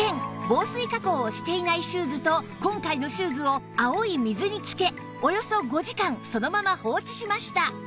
防水加工をしていないシューズと今回のシューズを青い水につけおよそ５時間そのまま放置しました